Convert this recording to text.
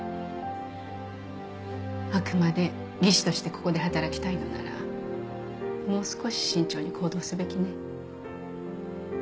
あくまで技師としてここで働きたいのならもう少し慎重に行動すべきね。